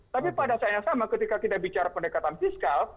tapi pada saat yang sama ketika kita bicara pendekatan fiskal